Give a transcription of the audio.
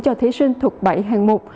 cho thí sinh thuộc bảy hạng mục